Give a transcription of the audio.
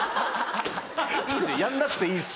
やんなくていいです。